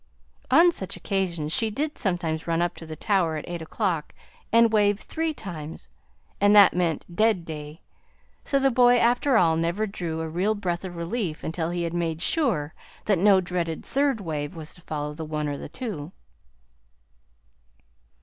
On such occasions she did sometimes run up to the tower at eight o'clock and wave three times, and that meant, 'Dead Day.' So the boy, after all, never drew a real breath of relief until he made sure that no dreaded third wave was to follow the one or the two."